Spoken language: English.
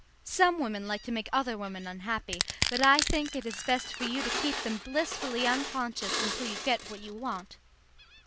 Some women like to make other women unhappy, but I think it is best for you to keep them blissfully unconscious until you get what you want.